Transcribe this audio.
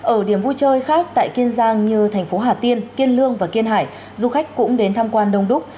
ở điểm vui chơi khác tại kiên giang như thành phố hà tiên kiên lương và kiên hải du khách cũng đến tham quan đông đúc